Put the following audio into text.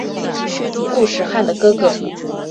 固始汗的哥哥。